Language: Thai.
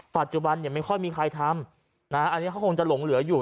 ปัจจุบันเนี่ยไม่ค่อยมีใครทำอันนี้เขาคงจะหลงเหลืออยู่